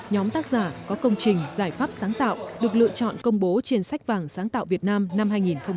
nhóm tác giả có công trình giải pháp sáng tạo được lựa chọn công bố trên sách vàng sáng tạo việt nam năm hai nghìn một mươi chín